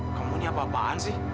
kamu ini apa apaan sih